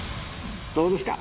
どうですか？